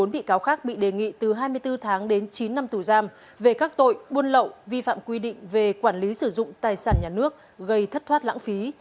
một mươi bị cáo khác bị đề nghị từ hai mươi bốn tháng đến chín năm tù giam về các tội buôn lậu vi phạm quy định về quản lý sử dụng tài sản nhà nước gây thất thoát lãng phí